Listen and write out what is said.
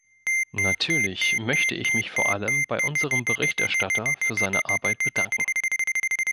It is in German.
Natürlich möchte ich mich vor allem bei unserem Berichterstatter für seine Arbeit bedanken.